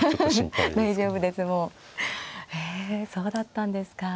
へえそうだったんですか。